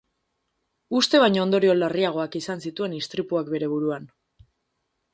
Uste baino ondorio larriagoak izan zituen istripuak bere buruan.